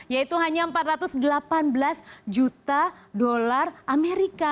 yaitu hanya empat ratus delapan belas juta dolar amerika